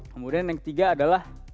kemudian yang ketiga adalah